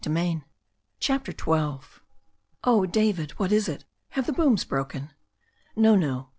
BOOK II CHAPTER XII *• OH, David, what is it? Have the booms broken?" "No, no.